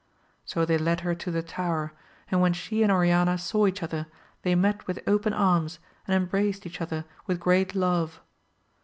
So they led her to the tower and when she and Oriana saw each other, they met with open arms and embraced each other with great love.